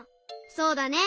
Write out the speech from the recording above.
そうだね。